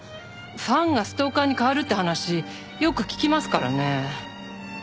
ファンがストーカーに変わるって話よく聞きますからね。